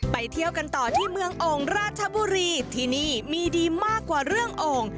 เที่ยวกันต่อที่เมืองโอ่งราชบุรีที่นี่มีดีมากกว่าเรื่องโอ่ง